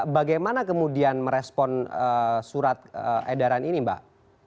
bagaimana kemudian merespon surat edaran ini mbak